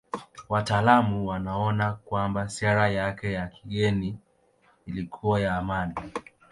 Wataalamu wanaona kwamba sera yake ya kigeni ilikuwa ya amani.